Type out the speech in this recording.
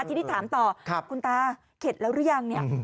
ทีนี้ถามต่อคุณตาเข็ดแล้วหรือยังเนี่ย